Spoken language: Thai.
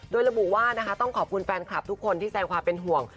โดยระบุว่านะคะต้องขอบคุณแฟนคลับทุกคนที่แสงความเป็นห่วง